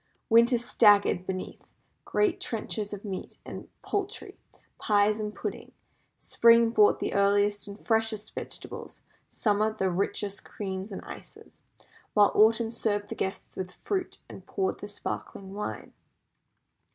Winter staggered beneath great trenchers of meat and poultry, pies, and puddings; Spring brought the earliest and freshest vegetables; Summer, the richest creams and ices; while Autumn served the guests with fruit, and poured the sparkling wine.